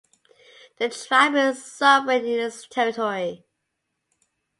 The tribe is sovereign in its territory.